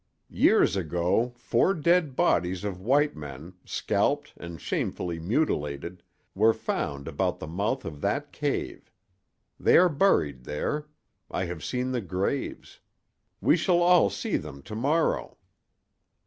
Years ago four dead bodies of white men, scalped and shamefully mutilated, were found about the mouth of that cave. They are buried there; I have seen the graves—we shall all see them to morrow."